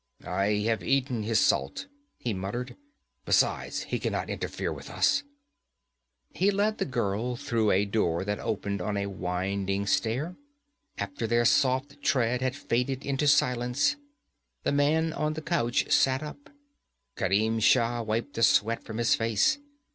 'I have eaten his salt,' he muttered. 'Besides, he can not interfere with us.' He led the girl through a door that opened on a winding stair. After their soft tread had faded into silence, the man on the couch sat up. Kerim Shah wiped the sweat from his face.